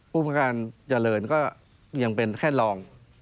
ผู้ประการเจริญก็ยังเป็นแค่รอง